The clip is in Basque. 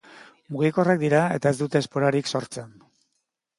Mugikorrak dira eta ez dute esporarik sortzen.